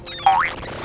ya balurin apa kemah